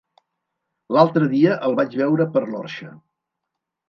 L'altre dia el vaig veure per l'Orxa.